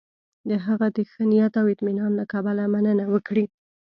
د هغه د ښه نیت او اطمینان له کبله مننه وکړي.